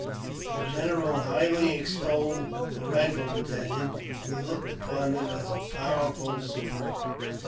The general highly extolled the rifle battalion, and he looked upon it as a powerful support.